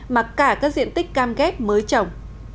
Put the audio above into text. mà cả các diện tích cam ghép mới trồng